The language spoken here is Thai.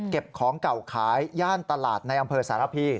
ของเก่าขายย่านตลาดในอำเภอสารพี